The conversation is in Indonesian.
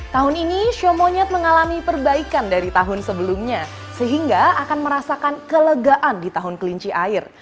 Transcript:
tahun ini show monyet mengalami perbaikan dari tahun sebelumnya sehingga akan merasakan kelegaan di tahun kelinci air